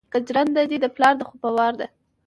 که جرنده دې د پلار ده خو په وار ده